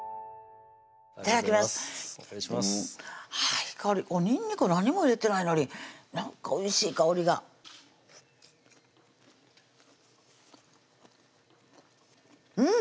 いい香りにんにく何も入れてないのになんかおいしい香りがうん！